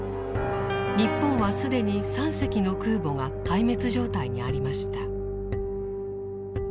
日本は既に３隻の空母が壊滅状態にありました。